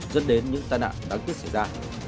dẫn đến những tai nạn đáng tiếc xảy ra